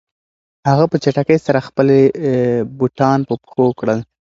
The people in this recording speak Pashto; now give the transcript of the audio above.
هغه په چټکۍ سره خپلې بوټان په پښو کړل.